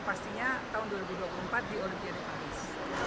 pastinya tahun dua ribu dua puluh empat di olimpiade paris